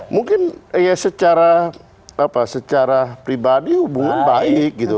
mungkin ya secara pribadi hubungan baik gitu